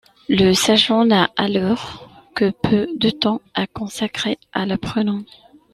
Le sachant n'a alors que peu de temps à consacrer à l'apprenant.